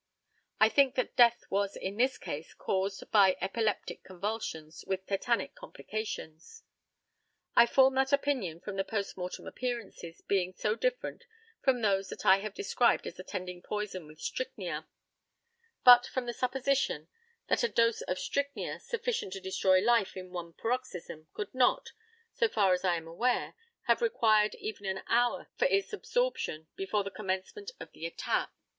I think that death was in this case caused by epileptic convulsions with tetanic complications. I form that opinion from the post mortem appearances being so different from those that I have described as attending poisoning with strychnia, and from the supposition that a dose of strychnia sufficient to destroy life in one paroxysm could not, so far as I am aware, have required even an hour for its absorption before the commencement of the attack.